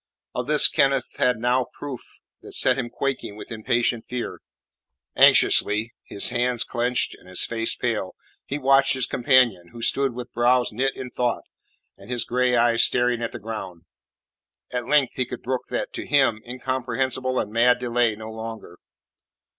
Of this Kenneth had now a proof that set him quaking with impatient fear. Anxiously, his hands clenched and his face pale, he watched his companion, who stood with brows knit in thought, and his grey eyes staring at the ground. At length he could brook that, to him, incomprehensible and mad delay no longer.